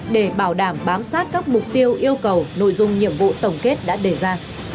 để bảo đảm bám sát các mục tiêu yêu cầu nội dung nhiệm vụ tổng kết đã đề ra